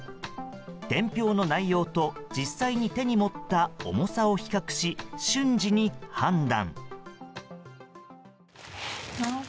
伝票の内容と実際に手に持った重さを比較し瞬時に判断。